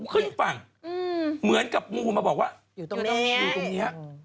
ขึ้นฝั่งเหมือนกับกับกูมาบอกว่าอยู่ตรงเนี้ย